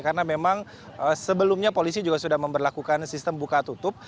karena memang sebelumnya polisi juga sudah memperlakukan sistem buka tutup